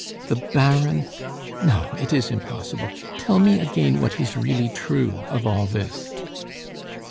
The Baron. No, it is impossible. Tell me again what is really true of all this."